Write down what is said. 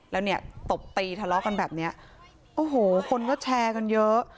แล้วเนี่ยตบตีทะเลาะกันแบบเนี้ยโอ้โหคนก็แชร์กันเยอะ